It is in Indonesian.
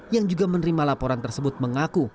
yang juga menerima laporan tersebut mengaku